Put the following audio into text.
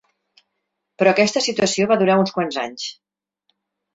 Però aquesta situació va durar uns quants anys.